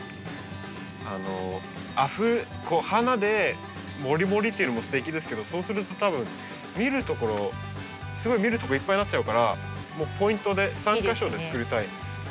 あの花でもりもりっていうのもすてきですけどそうすると多分見るところすごい見るとこいっぱいになっちゃうからもうポイントで３か所で作りたいんです。